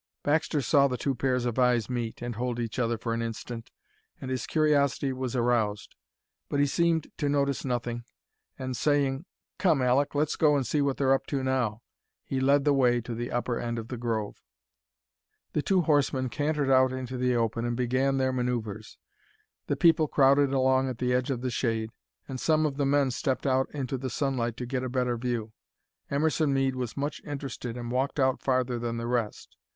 Baxter saw the two pairs of eyes meet and hold each other for an instant, and his curiosity was aroused. But he seemed to notice nothing, and saying, "Come, Aleck, let's go and see what they're up to now," he led the way to the upper end of the grove. The two horsemen cantered out into the open and began their manoeuvres. The people crowded along at the edge of the shade, and some of the men stepped out into the sunlight to get a better view. Emerson Mead was much interested and walked out farther than the rest.